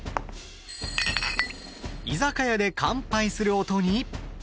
居酒屋で乾杯する音に。